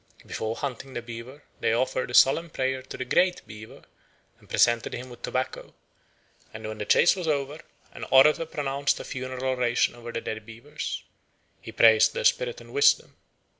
Before hunting the beaver they offered a solemn prayer to the Great Beaver, and presented him with tobacco; and when the chase was over, an orator pronounced a funeral oration over the dead beavers. He praised their spirit and wisdom.